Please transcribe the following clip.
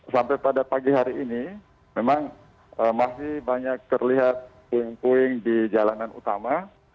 sampai pada pagi hari ini memang masih banyak terlihat puing puing di jalanan utama